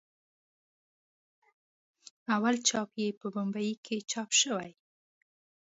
اول چاپ یې په بمبئي کې چاپ شوی.